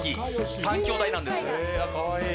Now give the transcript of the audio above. ３兄弟なんです。